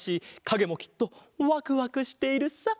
かげもきっとワクワクしているさ。